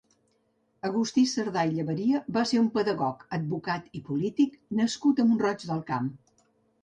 Agustí Sardà i Llaveria va ser un pedagog, advocat i polític nascut a Mont-roig del Camp.